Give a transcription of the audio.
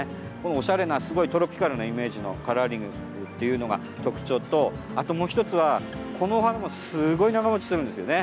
おしゃれなすごいトロピカルなイメージのカラーリングっていうのが特徴とあともう１つは、この花もすごい長もちするんですよね。